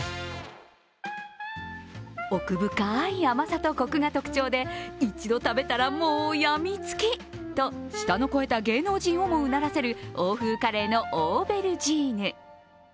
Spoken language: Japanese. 奥深い甘さとコクが特徴で一度食べたら、もう病みつきと舌の肥えた芸能人をもうならせる欧風カレーのオーベルジーヌ。